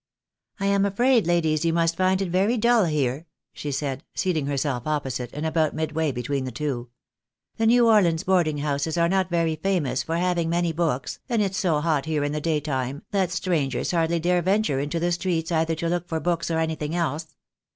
" I am afraid, ladies, you must find it very dull here," she said, seating herself opposite, and about midway between the two. " The New Orleans boarding houses are not very famous for having many books, and it's so hot here in the daytime, that strangers hardly dare venture into the streets either to look for books or anything else.